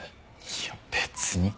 いや別に。